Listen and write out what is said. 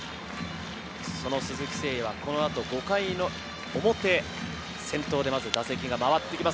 鈴木誠也はこのあと５回の表先頭で打席が回ってきます。